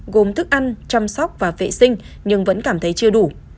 gồm thức ăn chăm sóc và vệ sinh nhưng vẫn cảm thấy chưa đủ